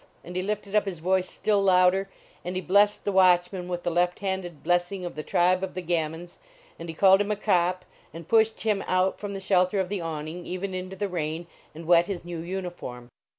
And he lifted up his voice still louder, and he blessed the watchman with the left handed blessing of the tribe of the Gamins, and he called him a Cop, and pushed him out from the shelter of the awning, even into the rain, and wet his new uniform.